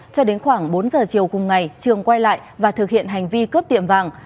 cho đến khoảng bốn giờ chiều cùng ngày trường quay lại và thực hiện hành vi cướp tiệm vàng